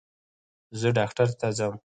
زه ډاکټر ته ځم